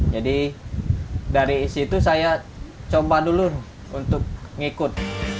jadi dari situ saya coba dulu untuk ngikut